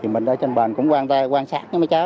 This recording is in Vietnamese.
mình ở trên bờ cũng quan tâm quan sát mấy cháu